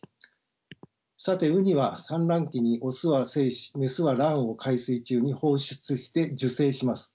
さてウニは産卵期に雄は精子雌は卵を海水中に放出して受精します。